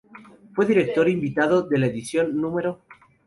Fue director invitado de la edición No.